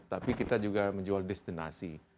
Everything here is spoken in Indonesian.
tapi kita juga menjual destinasi